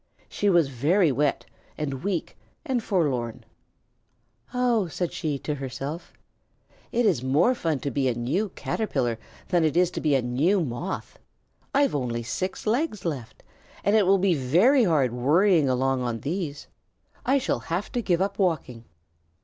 She was very wet and weak and forlorn. "Oh," said she to herself, "it is more fun to be a new Caterpillar than it is to be a new Moth. I've only six legs left, and it will be very hard worrying along on these. I shall have to give up walking."